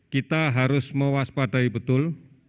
kita harus mewaspadai betul